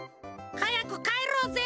はやくかえろうぜ！